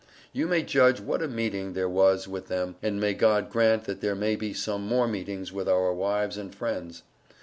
You may judge what a meeting there was with them, and may God grant that there may be some more meetings with our wives and friends.